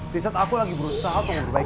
di saat aku lagi berusaha untuk berbaik